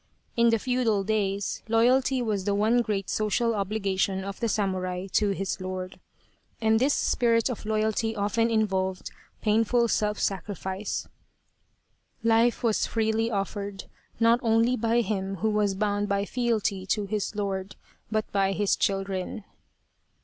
In the feudal days loyalty was the one great social obligation of the samurai to his lord. And this spirit of loyalty often involved painful self sacrifice. " Life was freely offered, not only by him who was bound by fealty to his lord, but by his children."